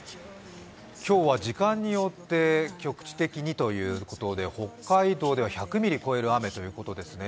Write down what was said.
今日は時間によって局地的にということで北海道では１００ミリを超える雨ということですね。